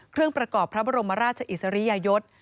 เครื่องประกอบพระบรมราชอิสริยยศ